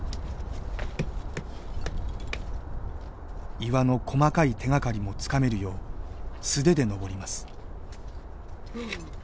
岩の細かい手がかりもつかめるよう素手で登ります。